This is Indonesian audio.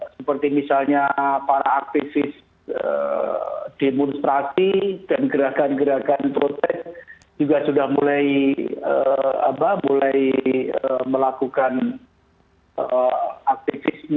seperti misalnya para aktivis demonstrasi dan gerakan gerakan protes juga sudah mulai melakukan aktivis